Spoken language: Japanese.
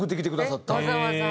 わざわざ？